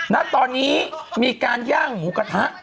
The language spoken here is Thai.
ณตอนนี้มีการย่างหมูกระทะ